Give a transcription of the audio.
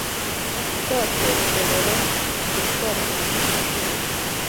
ubwato bushobora gutwara abantu icumi